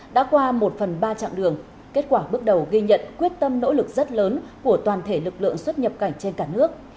đã qua một phần ba chặng đường kết quả bước đầu ghi nhận quyết tâm nỗ lực rất lớn của toàn thể lực lượng xuất nhập cảnh trên cả nước